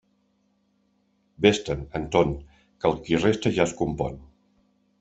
Vés-te'n, Anton, que el qui resta ja es compon.